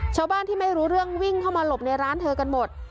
ชาวบ้านที่ไม่รู้เรื่องวิ่งเข้ามาหลบในร้านเธอกันหมด